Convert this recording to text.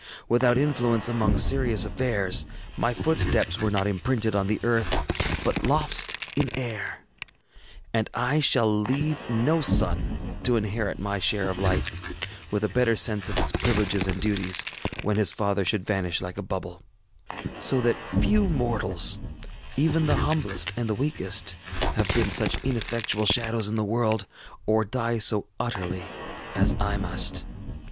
Without influence among serious affairs, my footsteps were not imprinted on the earth, but lost in air; and I shall leave no son to inherit my share of life, with a better sense of its privileges and duties, when his father should vanish like a bubble; so that few mortals, even the humblest and the weakest, have been such ineffectual shadows in the world, or die so utterly as I must.